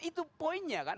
itu poinnya kan